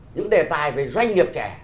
những đề tài về doanh nghiệp trẻ